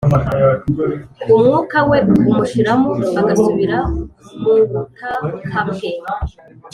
Umwukawe umushiramo agasubira mubutakabwe,